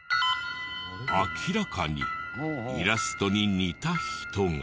明らかにイラストに似た人が。